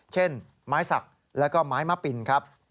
เช่นไม้ศักดิ์แล้วก็ไม้มะปินครับ